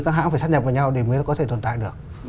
các hãng phải sát nhập vào nhau để mới có thể tồn tại được